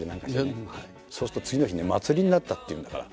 そうすると次の日には祭りになったっていうんだから。